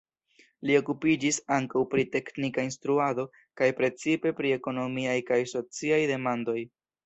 Li okupiĝis ankaŭ pri teknika instruado kaj precipe pri ekonomiaj kaj sociaj demandoj.